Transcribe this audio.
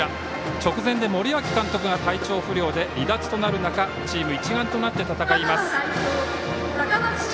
直前で森脇監督が体調不良で離脱となる中チーム一丸となって戦います。